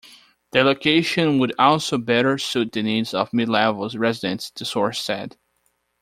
The location would also better suit the needs of Mid-Levels residents, the source said.